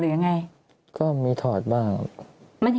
อยู่บ้านไม่ถอดเสื้ออย่างนี้หรอ